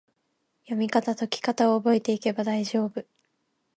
読みかた・解きかたを覚えていけば大丈夫！